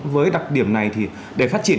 với đặc điểm này thì để phát triển